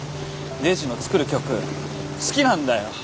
レイジの作る曲好きなんだよ。